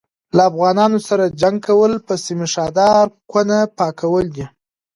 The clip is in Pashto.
له افغانانو سره جنګ کول په سيم ښاردار کوونه پاکول دي